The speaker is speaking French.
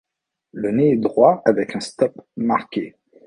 Le nez est droit avec un stop marqué.